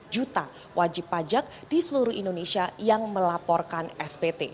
juta wajib pajak di seluruh indonesia yang melaporkan spt